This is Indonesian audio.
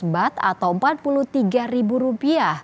seratus baht atau rp empat puluh tiga